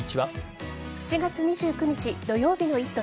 ７月２９日土曜日の「イット！」